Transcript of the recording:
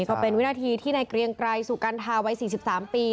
ก็เป็นวินาทีที่ในเกรียงไกรสุกัณฑาวัย๔๓ปี